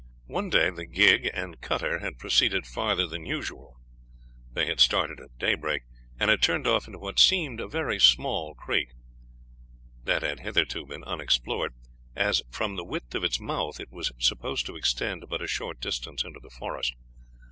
One day the gig and cutter had proceeded farther than usual; they had started at daybreak, and had turned off into what seemed a very small creek, that had hitherto been unexplored, as from the width of its mouth it was supposed to extend but a short distance into the forest.